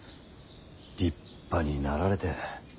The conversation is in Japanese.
立派になられて。